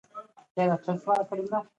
چې بدن مو روغ رمټ او کارونو ته چمتو شي.